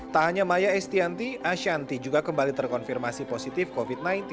tak hanya maya estianti ashanti juga kembali terkonfirmasi positif covid sembilan belas